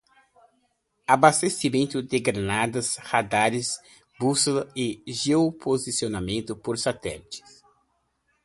Abastecimento de granadas, radares, bússolas e geoposicionamento por satélite